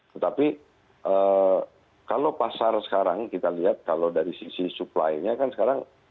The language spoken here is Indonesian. tetapi kalau pasar sekarang kita lihat kalau dari sisi supply nya kan sekarang